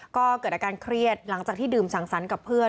ก็เกิดอาการเครียดหลังจากที่ดื่มสังสรรค์กับเพื่อน